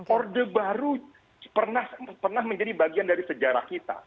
orde baru pernah menjadi bagian dari sejarah kita